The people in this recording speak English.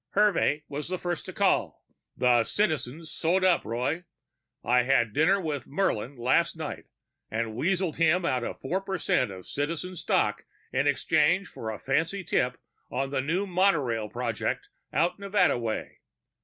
Hervey was the first to call. "The Citizen's sewed up, Roy! I had dinner with Murlin last night and weaseled him out of four percent of Citizen stock in exchange for a fancy tip on the new monorail project out Nevada way.